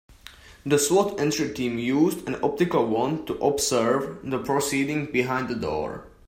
The S.W.A.T. entry team used an optical wand to observe the proceedings behind the door.